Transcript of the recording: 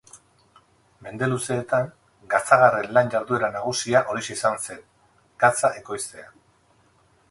Mende luzeetan gatzagarren lan-jarduera nagusia horixe izan zen: gatza ekoiztea.